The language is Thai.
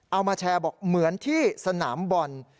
เอามาแชร์บอกเหมือนที่สนามบอล